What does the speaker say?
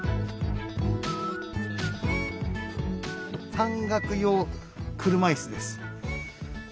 山岳用車いすです。